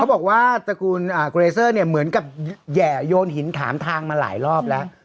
บอกว่าตระกูลเกเรเซอร์เนี่ยเหมือนกับแห่โยนหินถามทางมาหลายรอบแล้ว